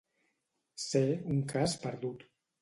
Ser un cas perdut.